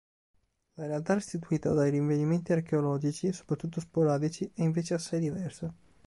La realtà restituita dai rinvenimenti archeologici, soprattutto sporadici, è invece assai diversa.